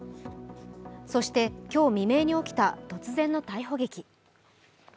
そして今日未明に起きた突然の逮捕劇。